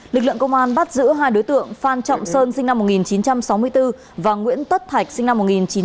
lực lượng công an bắt giữ hai đối tượng phan trọng sơn sinh năm một nghìn chín trăm sáu mươi bốn và nguyễn tất thạch sinh năm một nghìn chín trăm tám mươi